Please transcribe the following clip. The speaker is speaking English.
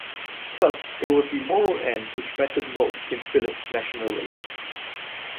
Thus, it was the moral end which mattered most in Phillips' nationalism.